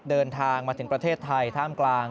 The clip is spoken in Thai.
เดินทางมาถึงประเทศไทยท่ามกลาง